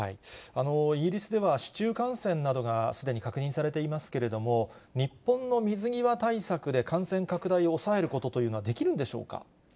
イギリスでは、市中感染などがすでに確認されていますけれども、日本の水際対策で、感染拡大を抑えることというのはできるんでしょうか。